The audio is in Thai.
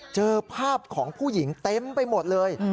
เจอภาพของผู้หญิงเต็มไปหมดเลย